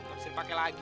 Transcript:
gak bisa dipake lagi